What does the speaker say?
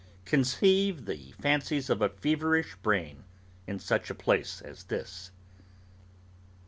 Conceive the fancies of a feverish brain, in such a place as this!